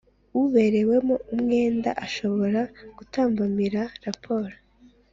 Uberewemo umwenda ashobora gutambamira raporo